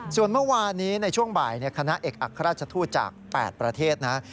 ส่วนเมื่อวานนี้ในช่วงบ่ายคณะเอกอัครราชทูตจาก๘ประเทศนะ